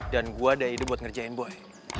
dan gue ada ide buat ngerjain boy